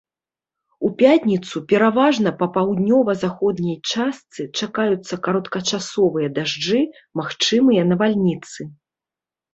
У пятніцу пераважна па паўднёва-заходняй частцы чакаюцца кароткачасовыя дажджы, магчымыя навальніцы.